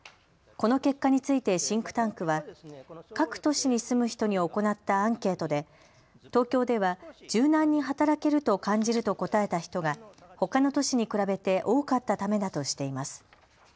この結果についてシンクタンクは各都市に住む人に行ったアンケートで東京では柔軟に働けると感じると答えた人がほかの都市に比べて多かったためだとしています。